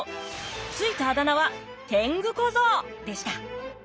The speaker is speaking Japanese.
付いたあだ名は天狗小僧でした。